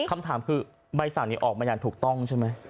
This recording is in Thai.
คำถามคือใบสั่งนี้ออกมาอย่างถูกต้องใช่ไหม